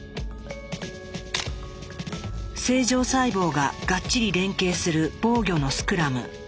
正常細胞ががっちり連携する防御のスクラム。